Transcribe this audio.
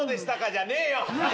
じゃねえよ！